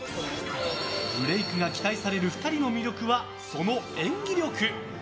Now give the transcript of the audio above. ブレークが期待される２人の魅力は、その演技力。